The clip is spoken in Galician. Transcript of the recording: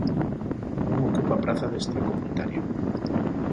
Non ocupa praza de extracomunitario.